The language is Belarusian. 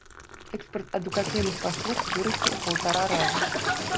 Экспарт адукацыйных паслуг вырасце ў паўтара разу.